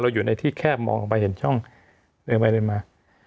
อยู่ในที่แคบมองไปเห็นช่องเดินไปเดินมา